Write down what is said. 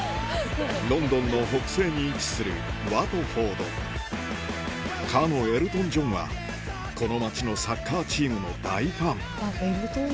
ロンドンの北西に位置するワトフォードかのエルトン・ジョンはこの街のサッカーチームの大ファン